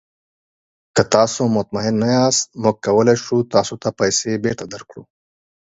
که تاسو مطمین نه یاست، موږ کولی شو تاسو ته پیسې بیرته درکړو.